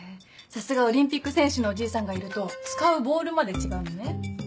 さすがオリンピック選手のおじいさんがいると使うボールまで違うのね？